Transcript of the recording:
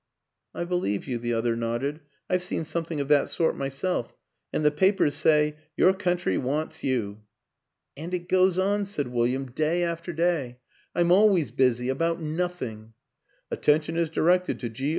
" I believe you," the other nodded, " I've seen something of that sort myself. ... And the papers say, ' Your country wants you !'" And it goes on," said William, " day after WILLIAM AN ENGLISHMAN 261 day. I'm always busy about nothing. * At tention is directed to G.